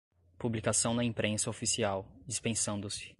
publicação na imprensa oficial, dispensando-se